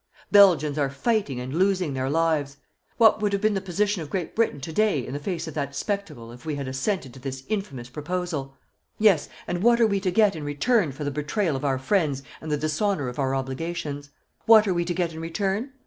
Belgians are fighting and losing their lives. What would have been the position of Great Britain to day in the face of that spectacle if we had assented to this infamous proposal? Yes, and what are we to get in return for the betrayal of our friends and the dishonour of our obligations? What are we to get in return?